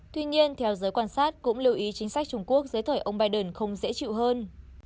tuy nhiên theo giới quan sát cũng lưu ý chính sách trung quốc dưới thời ông biden không dễ chịu hơn